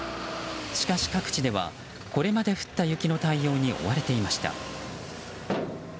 しかし、各地ではこれまで降った雪の対応に追われていました。